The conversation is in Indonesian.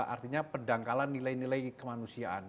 artinya pendangkalan nilai nilai kemanusiaan